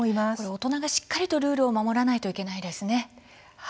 大人がしっかりとルールを守らないといけないですね。